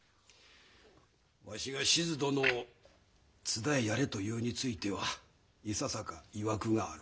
わしが志津殿を津田へやれと言うについてはいささかいわくがある。